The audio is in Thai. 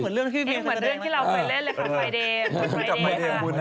เหมือนเรื่องที่เราไปเล่นเลยของไฟเดย์ค่ะ